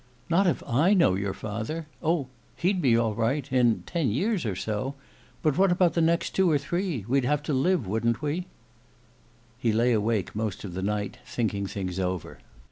"Not if I know your father! Oh, he'd be all right in ten years or so. But what about the next two or three? We'd have to live, wouldn't we?" He lay awake most of the night thinking things over.